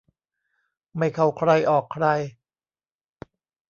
ไม่เข้าใครออกใคร